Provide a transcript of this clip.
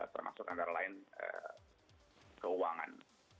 termasuk antara lain keuangan